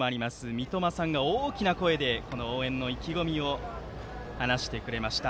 三笘さんが大きな声で応援の意気込みを話してくれました。